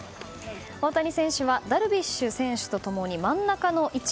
大谷選手はダルビッシュ選手と共に真ん中の位置。